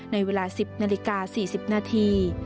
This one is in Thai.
ในเวลา๑๐นาฬิกา๔๐นาที